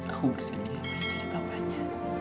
aku bersedia bersedia jadi bapaknya